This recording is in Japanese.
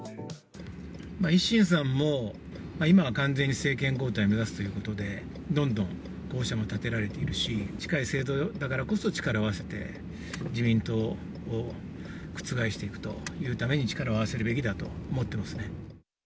維新さんも、今は完全に政権交代目指すということで、どんどん候補者も立てられていますし、近い政党だからこそ力を合わせて自民党を覆していくというために、力を合わせるべきだと思ってますね。